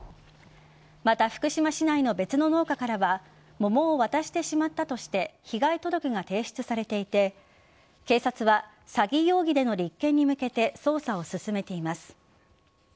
また、福島市内の別の農家からは桃を渡してしまったとして被害届が提出されていて警察は詐欺容疑での立件に向けて捜査を進めています。